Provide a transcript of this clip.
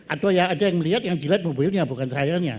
atau ya ada yang melihat yang dilihat mobilnya bukan trialnya